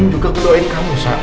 angin juga berdoa kamu sa